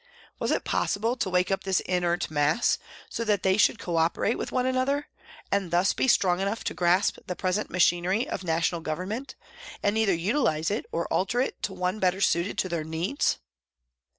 Was it possible to wake up this inert mass, so that they should co operate with one another, and thus be strong enough to grasp the present machinery of national Government, and either utilise it or alter it to one better suited to their needs